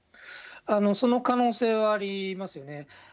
その可能性はありますよね。